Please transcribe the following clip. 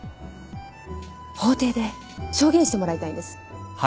法廷で証言してもらいたいんです。